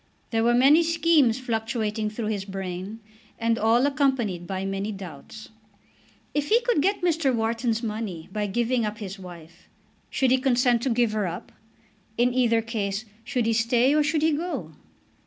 There were many schemes fluctuating through his brain, and all accompanied by many doubts. If he could get Mr. Wharton's money by giving up his wife, should he consent to give her up? In either case should he stay or should he go?